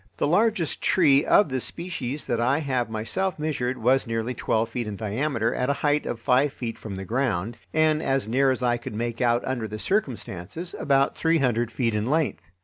The largest tree of this species that I have myself measured was nearly twelve feet in diameter at a height of five feet from the ground, and, as near as I could make out under the circumstances, about three hundred feet in length.